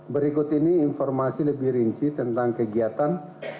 berikut ini informasi lebih rinci tentang kegiatan